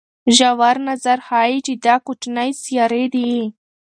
ژور نظر ښيي چې دا کوچنۍ سیارې دي.